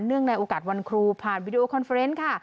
เนื่องในโอกาสวันครูพาดวิดีโอค่ะ